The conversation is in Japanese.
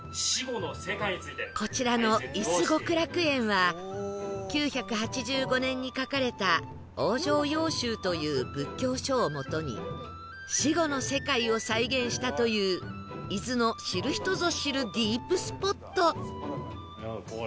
こちらの伊豆極楽苑は９８５年に書かれた『往生要集』という仏教書をもとに死後の世界を再現したという伊豆の知る人ぞ知るディープスポット